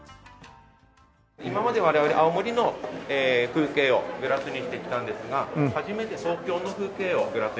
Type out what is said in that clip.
今まで我々青森の風景をグラスにしてきたんですが初めて東京の風景をグラスに。